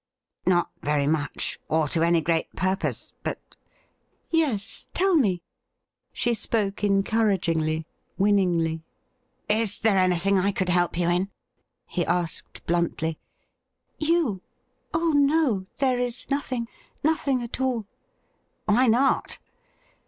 ' Not very much, or to any gi eat purpose ; but '' 'Yes, tell me.' 122 THE RIDDLE RING She spoke encouragingly, winningly. 'Is there anything I could help you in?' he asked bluntly. ' You ? Oh no, there is nothing — ^nothing at all.' ' Why not